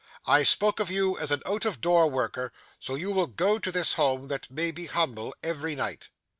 I spoke of you as an out of door worker; so you will go to this home that may be humble, every night.